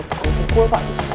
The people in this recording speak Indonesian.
tukang pukul pak